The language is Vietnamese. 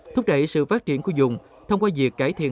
thúc đẩy sự phát triển của dùng thông qua việc cải thiện